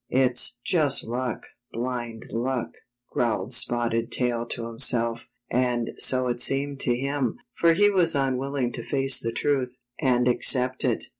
It's just luck — blind luck," growled Spotted Tail to himself. And so it seemed to him, for he was unwilling to face the truth, and accept it.